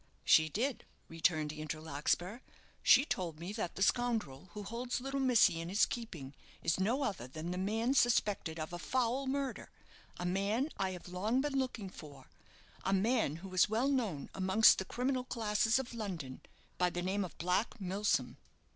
"She did," returned Andrew Larkspur. "She told me that the scoundrel who holds little missy in his keeping is no other than the man suspected of a foul murder a man I have long been looking for a man who is well known amongst the criminal classes of London by the name of Black Milsom."